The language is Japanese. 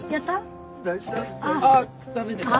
ああ駄目ですか？